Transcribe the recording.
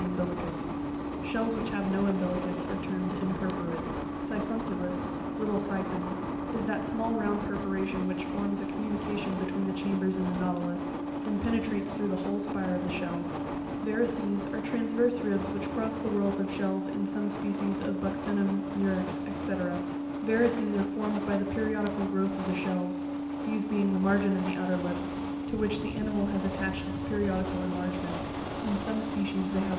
umbilicus ( fig. 116). Shells which have no umbilicus are termed imperforate. Siphunculus (little syphon) is that small round perforation which forms a communication between the chambers in the Nautilus, and penetrates through the whole spire of the shell (figs. 15 and 16). Varices are transverse ribs which cross the whorls of shells in some species of Buccinum, Murex, &c. Varices are formed by the periodical growth of the shells, these being the margin of the outer lip, to which the animal has attached its periodical enlargements (fig. 46). In some species they have.